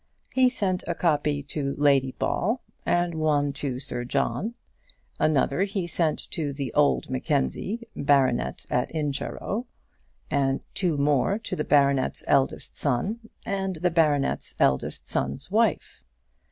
He sent a copy to Lady Ball and one to Sir John. Another he sent to the old Mackenzie, baronet at Incharrow, and two more to the baronet's eldest son, and the baronet's eldest son's wife.